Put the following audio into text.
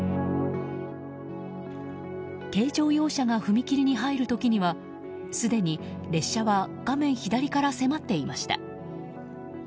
軽乗用車が踏切に入る時にはすでに列車は画面左から迫っていました。